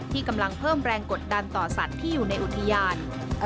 กำลังเพิ่มแรงกดดันต่อสัตว์ที่อยู่ในอุทยาน